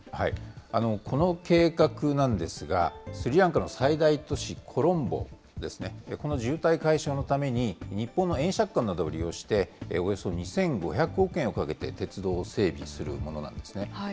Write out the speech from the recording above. この計画なんですが、スリランカの最大都市、コロンボですね、この渋滞解消のために、日本の円借款などを利用して、およそ２５００億円をかけて鉄道を整備するものなんですね。